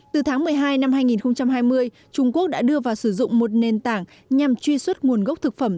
từ tháng một mươi hai năm hai nghìn hai mươi trung quốc đã đưa vào sử dụng một nền tảng nhằm truy xuất nguồn gốc thực phẩm